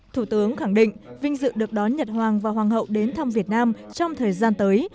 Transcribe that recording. thủ tướng khẳng định vinh dự được đón nhật hoàng và hoàng hậu đến thăm việt nam trong thời gian tới